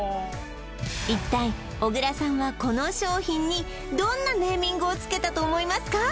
一体小倉さんはこの商品にどんなネーミングをつけたと思いますか？